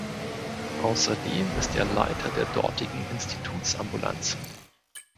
Außerdem ist er Leiter der dortigen Institutsambulanz.